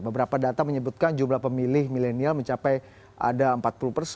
beberapa data menyebutkan jumlah pemilih milenial mencapai ada empat puluh persen